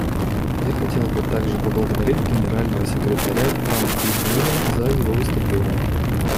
Я хотел бы также поблагодарить Генерального секретаря Пан Ги Муна за его выступление.